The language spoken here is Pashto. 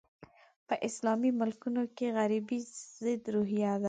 په اسلامي ملکونو کې غربي ضد روحیه ده.